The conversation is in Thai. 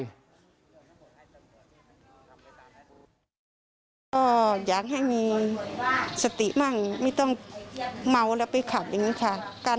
ก็อยากให้มีสติมั่งไม่ต้องเมาแล้วไปขับอย่างนี้ค่ะ